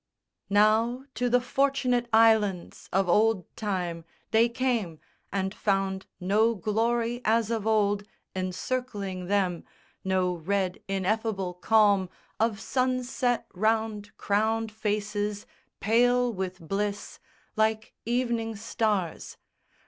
_" Now to the Fortunate Islands of old time They came, and found no glory as of old Encircling them, no red ineffable calm Of sunset round crowned faces pale with bliss Like evening stars.